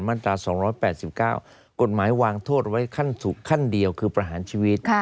มาตรา๒๘๙กฎหมายวางโทษไว้ขั้นถูกขั้นเดียวคือประหารชีวิต